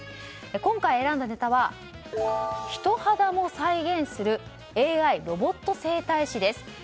今回選んだネタは人肌も再現するＡＩ、ロボット整体師です。